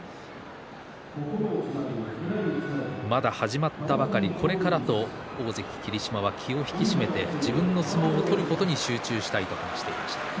まだ始まったばかり、これからと大関霧島は気を引き締めて自分の相撲を取ることに集中したいと話していました。